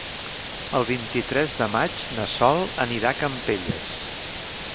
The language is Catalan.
El vint-i-tres de maig na Sol anirà a Campelles.